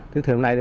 thứ thiêm này